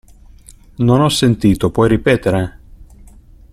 Non ho sentito, puoi ripetere?